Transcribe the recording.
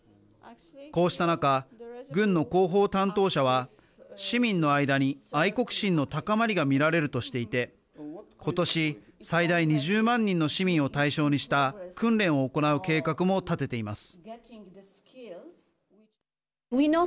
こうした中、軍の広報担当者は市民の間に愛国心の高まりが見られるとしていて今年、最大２０万人の市民を対象にした訓練を行う計画も立てています。